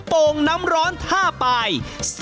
๑โป่งน้ำร้อน๕ปลาย